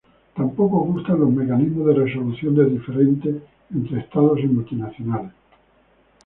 Tampoco gustan los mecanismos de resolución de diferentes entre estados y multinacionales.